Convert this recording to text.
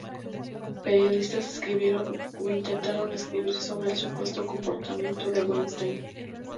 Periodistas escribieron o intentaron escribir sobre el supuesto comportamiento de Weinstein.